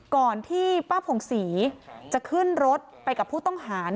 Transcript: ก่อนที่ป้าผงศรีจะขึ้นรถไปกับผู้ต้องหา